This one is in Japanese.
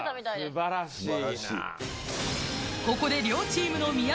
素晴らしい